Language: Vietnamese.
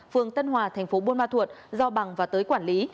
phường tân hòa thành phố buôn ma thuột do bằng và tới quản lý